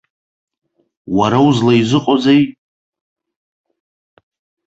Уара узлаизыҟоузеи?